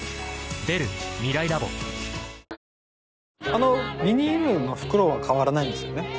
あのポリ袋は変わらないんですよね？